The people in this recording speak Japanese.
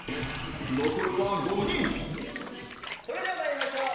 残るは５人それではまいりましょう！